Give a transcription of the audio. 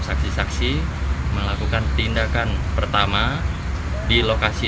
saksi saksi melakukan tindakan pertama di lokasi